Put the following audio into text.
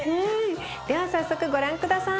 では早速ご覧下さい。